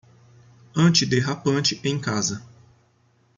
Antiderrapante em casa